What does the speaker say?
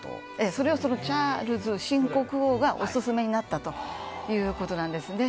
それをチャールズ新国王がお勧めになったということなんですね。